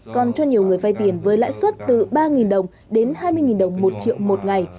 còn cho nhiều người vay tiền với lãi suất từ ba đồng đến hai mươi đồng một triệu một ngày